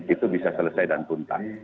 itu bisa selesai dan tuntang